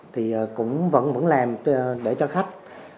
thì cũng vẫn làm để cho khách